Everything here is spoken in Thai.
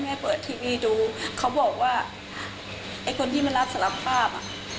แม่เปิดทีวีดูเขาบอกว่าไอ้คนที่มารับศาลทรัพย์ภาพ